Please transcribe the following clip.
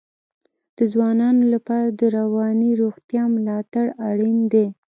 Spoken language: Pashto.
د ځوانانو لپاره د رواني روغتیا ملاتړ اړین دی.